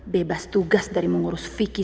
bebas tugas dari mengurus fikih